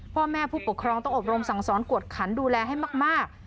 พ่อแม่ผู้ปกครองต้องอบรมสั่งสอนกวดขันดูแลให้มาก